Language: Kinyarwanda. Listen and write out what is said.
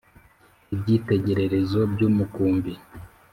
Ibyitegererezo by umukumbi